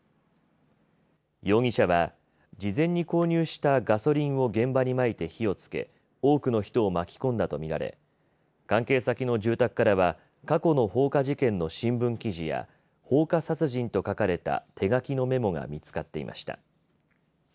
容疑者は事前に購入したガソリンを現場にまいて火をつけ多くの人を巻き込んだとみられ関係先の住宅からは過去の放火事件の新聞記事や放火殺人と書かれた手書きのメモが見つかっていました。